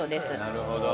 なるほど。